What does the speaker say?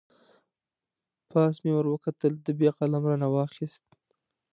پاس مې ور وکتل، ده بیا قلم را نه واخست.